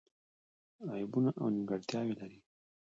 عیبونه او نیمګړتیاوې لري.